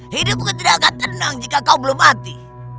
hidupku tidak akan tenang jika kau belum mati